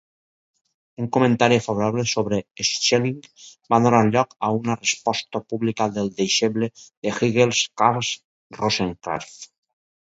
Un comentari favorable sobre Schelling va donar lloc a una resposta pública del deixeble de Hegel, Karl Rosenkranz.